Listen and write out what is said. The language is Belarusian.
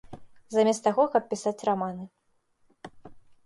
Замест таго, каб пісаць раманы.